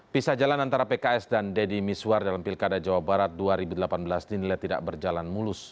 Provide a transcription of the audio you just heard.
pisah jalan antara pks dan deddy miswar dalam pilkada jawa barat dua ribu delapan belas dinilai tidak berjalan mulus